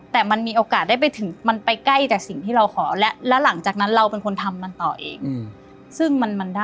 แต่มันมีโอกาสได้ไปถึง